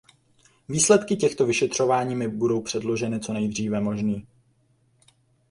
Výsledky těchto vyšetřování mi budou předloženy co nejdříve možný.